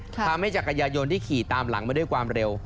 ทำให้จักรยายนที่ขี่ตามหลังมาด้วยความเร็ว